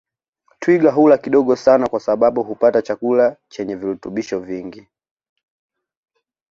Twiga hula kidogo sana kwa sababu hupata chakula chenye virutubisho vingi